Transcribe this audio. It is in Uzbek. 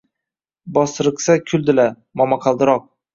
Bosriqsa, kuldilar: “Momoqaldiroq”.